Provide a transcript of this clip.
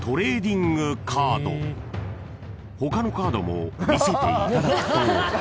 ［他のカードも見せていただくと］